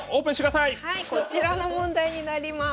こちらの問題になります。